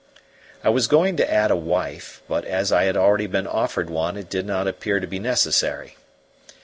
I was going to add a wife, but as I had already been offered one it did not appear to be necessary.